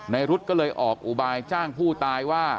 รุ๊ดก็เลยออกอุบายจ้างผู้ตายว่า